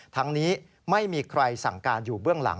ทั้งนี้ไม่มีใครสั่งการอยู่เบื้องหลัง